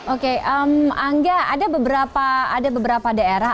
oke angga ada beberapa daerah